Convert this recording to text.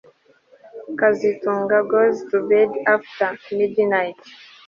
kazitunga goes to bed after midnight